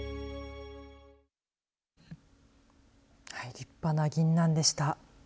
立派なぎんなんでした。